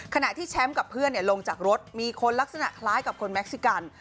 ขณะที่แชมป์กับเพื่อนลงจากรถมีคนลักษณะคล้ายกับคนแม็กซิกัน